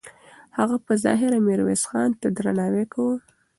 هغه به په ظاهره میرویس خان ته درناوی کاوه.